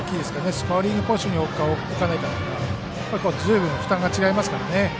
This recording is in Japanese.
スコアリングポジションに置くか、置かないかはずいぶん負担が違いますからね。